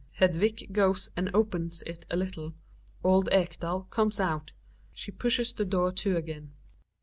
Hedvig goes and opens it a little^ Old Ekdal comes outy she pushes the door to again.